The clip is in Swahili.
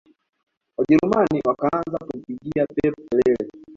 wajerumani wakaanza kumpigia pep kelele